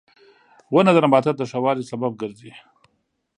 • ونه د نباتاتو د ښه والي سبب ګرځي.